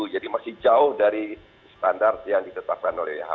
jadi masih jauh dari standar yang ditetapkan oleh who